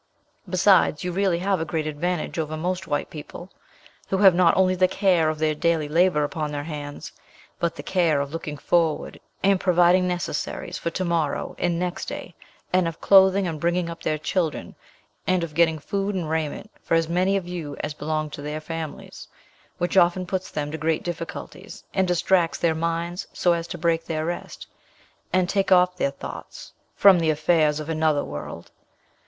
Besides, you really have a great advantage over most white people, who have not only the care of their daily labour upon their hands, but the care of looking forward and providing necessaries for to morrow and next day, and of clothing and bringing up their children, and of getting food and raiment for as many of you as belong to their families, which often puts them to great difficulties, and distracts their minds so as to break their rest, and take off their thoughts from the affairs of another world.